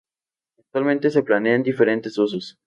Actualmente se plantean diferentes usos.